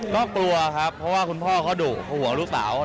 ก็กลัวครับเพราะว่าคุณพ่อเขาดุห่วงลูกสาว